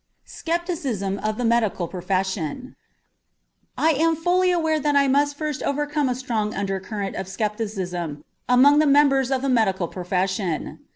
SKEPTICISM OF THE MEDICAL PROFESSION I am fully aware that I must first overcome a strong undercurrent of skepticism among the members of the medical profession.